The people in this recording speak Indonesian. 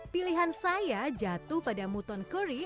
pilihan saya jatuh pada muton curry